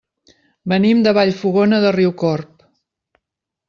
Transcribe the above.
Venim de Vallfogona de Riucorb.